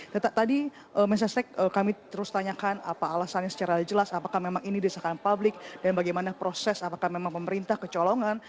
tetap tadi mensesnek kami terus tanyakan apa alasannya secara jelas apakah memang ini desakan publik dan bagaimana proses apakah memang pemerintah kecolongan